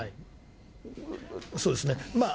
そうですね。